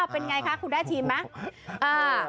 เป็นไงคะคุณได้ทีมไหม